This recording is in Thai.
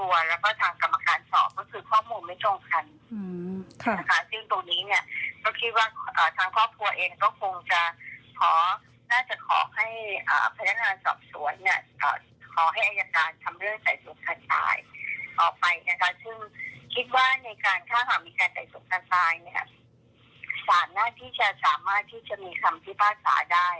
ว่าในการถ้าหามีการแตกสุขการตายสามารถที่จะสามารถมีความที่ป้าสาได้